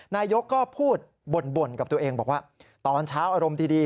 นายกก็พูดบ่นกับตัวเองบอกว่าตอนเช้าอารมณ์ดี